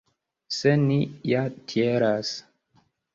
Se ni ja tielas.